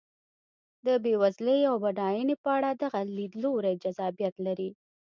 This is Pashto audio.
د بېوزلۍ او بډاینې په اړه دغه لیدلوری جذابیت لري.